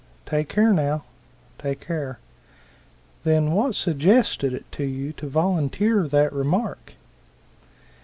"Take care now, take care. Then what suggested it to you to volunteer that remark?"